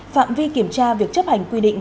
phạm vi kiểm tra việc chấp hành quy định